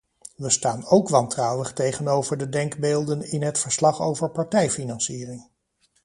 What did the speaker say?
We staan ook wantrouwig tegenover de denkbeelden in het verslag over partijfinanciering.